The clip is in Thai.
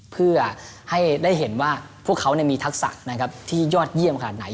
เพื่อให้ได้เห็นว่าพวกเขามีทักษะนะครับที่ยอดเยี่ยมขนาดไหน